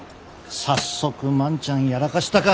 早速万ちゃんやらかしたか。